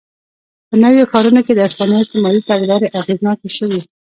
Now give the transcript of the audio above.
په نویو ښارونو کې د هسپانیا استعماري تګلارې اغېزناکې شوې.